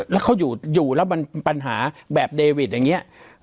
แล้วเขาอยู่แล้วมันปัญหาแบบเดวิดอย่างนี้